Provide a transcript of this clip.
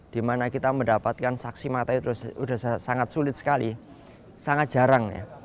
di mana kita mendapatkan saksi mata itu sudah sangat sulit sekali sangat jarang